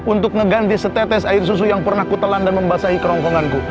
untuk ngeganti setetes air susu yang pernah kutelan dan membasahi kerongkonganku